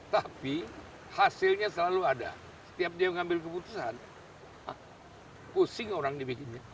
tapi hasilnya selalu ada setiap dia mengambil keputusan pusing orang dibikinnya